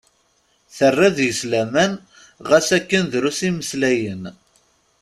Terra deg-s laman ɣas akken drus kan i mmeslayen.